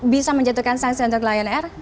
bisa menjatuhkan sanksi untuk lion air